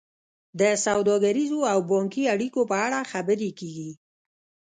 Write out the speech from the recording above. د سوداګریزو او بانکي اړیکو په اړه خبرې کیږي